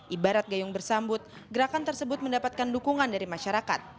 ibarat gayung bersambut gerakan tersebut mendapatkan dukungan dari masyarakat